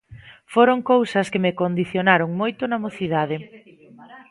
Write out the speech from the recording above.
Foron cousas que me condicionaron moito na mocidade.